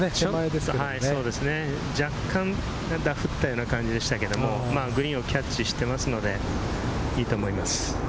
若干ダフったような感じでしたけれど、グリーンをキャッチしてますので、いいと思います。